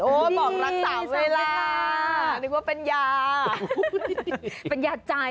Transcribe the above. โอ๊ยบอกรักตามเวลาเป็นยา